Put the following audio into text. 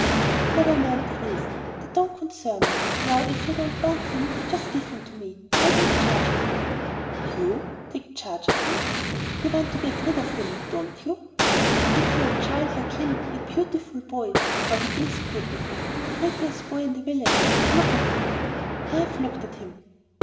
"Never mind the reason. That don't concern me. Now if you don't want him, just give him to me. I'll take charge of him." "You? take charge of him!" "You want to get rid of him, don't you?" "Give you a child like him, a beautiful boy, for he is beautiful, the prettiest boy in the village, look at him." "I've looked at him."